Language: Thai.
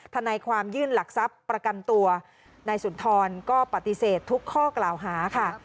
ทนายความยื่นหลักทรัพย์ประกันตัวนายสุนทรก็ปฏิเสธทุกข้อกล่าวหาค่ะ